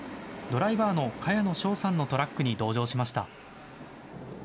ドライバーの茅野翔さんのトラックに同乗しました。